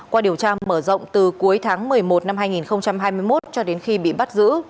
qua điều tra mở rộng từ cuối tháng một mươi một năm hai nghìn hai mươi một cho đến khi bị bắt giữ